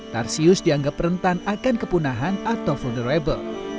tarsius dianggap rentan akan kepunahan atau vulnerable